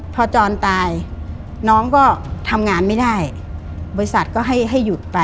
พอจรตายน้องก็ทำงานไม่ได้บริษัทก็ให้หยุดไป